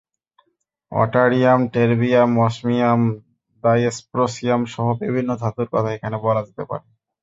অট্যারিয়াম, terbium, osmium, ডাইস্প্রোসিয়ামসহ বিভিন্ন ধাতুর কথা এখানে বলা যেতে পারে।